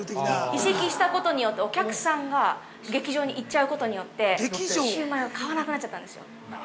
移籍したことによってお客さんが劇場に行っちゃうことによってシウマイを買わなくなっちゃったんですよ。